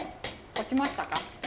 落ちましたか？